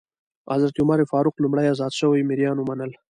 حضرت عمر فاروق لومړی ازاد شوي مریان ومنل.